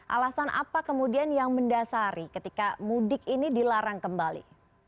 alasan apa kemudian yang mendasari ketika mudik ini dilarang kembali